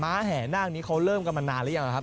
แห่นาคนี้เขาเริ่มกันมานานหรือยังครับ